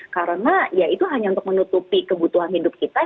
karena ya itu hanya untuk menutupi kebutuhan hidup kita